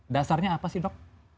dasarnya apa sih dok